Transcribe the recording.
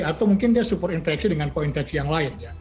atau mungkin dia superinfeksi dengan koinfeksi yang lain